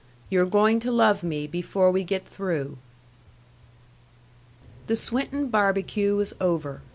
"YOU'RE GOING TO LOVE ME BEFORE WE GET THROUGH" The Swinton barbecue was over.